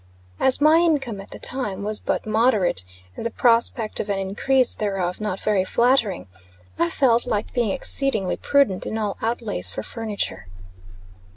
As my income, at the time, was but moderate, and the prospect of an increase thereof not very flattering, I felt like being exceedingly prudent in all outlays for furniture.